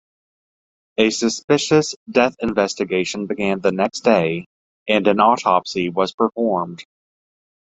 A suspicious death investigation began the next day and an autopsy was performed.